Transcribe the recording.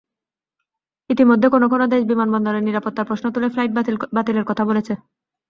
ইতিমধ্যে কোনো কোনো দেশ বিমানবন্দরের নিরাপত্তার প্রশ্ন তুলে ফ্লাইট বাতিলের কথা বলছে।